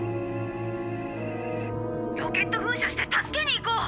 ロケット噴射して助けに行こう！